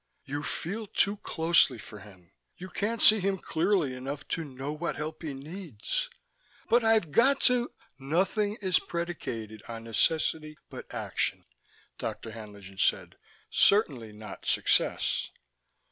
"You feel too closely for him: you can't see him clearly enough to know what help he needs." "But I've got to " "Nothing is predicated on necessity but action," Dr. Haenlingen said. "Certainly not success."